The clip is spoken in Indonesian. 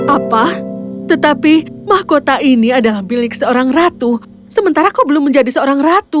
apa tetapi mahkota ini adalah milik seorang ratu sementara kau belum menjadi seorang ratu